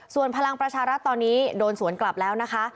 ส่วนพลังประชารัฐตอนนี้โดนสวนกลับแล้วนะคะ